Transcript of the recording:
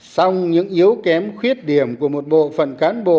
xong những yếu kém khuyết điểm của một bộ phận cán bộ